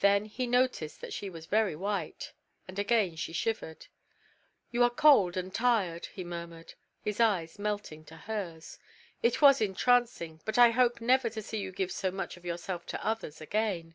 Then he noticed that she was very white, and again she shivered. "You are cold and tired," he murmured, his eyes melting to hers. "It was entrancing, but I hope never to see you give so much of yourself to others again."